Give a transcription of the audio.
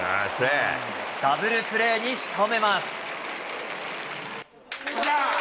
ダブルプレーにしとめます。